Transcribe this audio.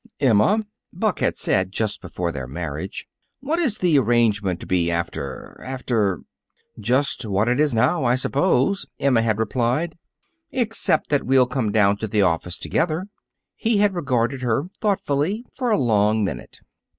"Emma," Buck had said, just before their marriage, "what is the arrangement to be after after " "Just what it is now, I suppose," Emma had replied, "except that we'll come down to the office together." He had regarded her thoughtfully for a long minute.